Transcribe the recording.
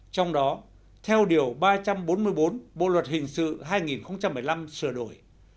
trong đó theo điều ba trăm bốn mươi bốn bộ luật hình sự hai nghìn một mươi năm sửa đổi